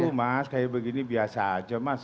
aduh mas kayak begini biasa aja mas